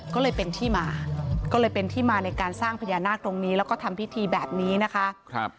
ก็เลยเป็นที่มาก็เลยเป็นที่มาในการสร้างพญานาคตรงนี้แล้วก็ทำพิธีแบบนี้นะคะ